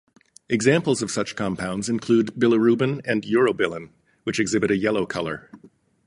Examples of such compounds include bilirubin and urobilin, which exhibit a yellow color.